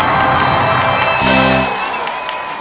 เพลงนี้สี่หมื่นบาทเอามาดูกันนะครับ